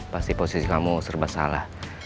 pasti posisi kamu serba salah